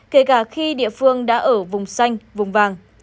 kể cả khi địa phương đã ở vùng xanh vùng vàng